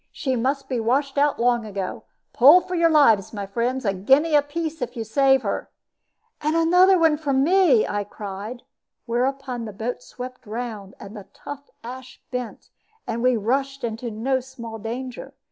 She must be washed out long ago. Pull for your lives, my friends. A guinea apiece if you save her." "And another from me," I cried. Whereupon the boat swept round, and the tough ash bent, and we rushed into no small danger.